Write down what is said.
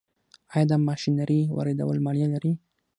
آیا د ماشینرۍ واردول مالیه لري؟